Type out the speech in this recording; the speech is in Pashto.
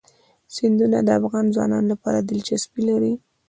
سیندونه د افغان ځوانانو لپاره دلچسپي لري.